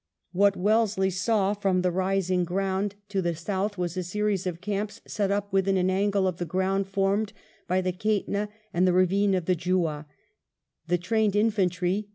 What Wellesley saw from the rising ground t<J the south was a series of camps set up within an angle of ground formed by the Eaitna and the ravine of the Jouah. The trained infantry.